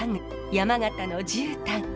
山形のじゅうたん。